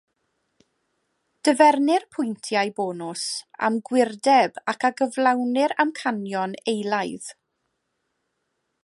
Dyfernir pwyntiau bonws am gywirdeb ac a gyflawnir amcanion eilaidd.